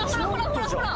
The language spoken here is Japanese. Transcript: ほらほら！